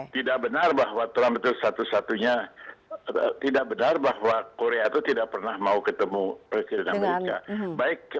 tidak benar bahwa trump itu satu satunya tidak benar bahwa korea itu tidak pernah mau ketemu presiden amerika